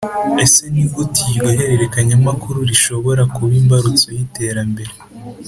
ese ni gute iryo hererekanyamakuru rishobora kuba imbarutso y’iterambere?